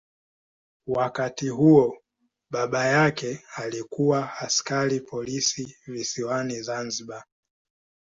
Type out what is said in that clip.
Wakati huo baba yake alikuwa askari polisi visiwani Zanzibar.